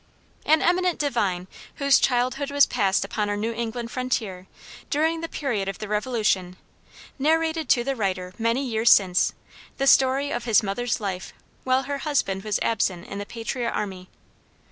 An eminent divine whose childhood was passed upon our New England frontier, during the period of the Revolution, narrated to the writer many years since, the story of his mother's life while her husband was absent in the patriot army.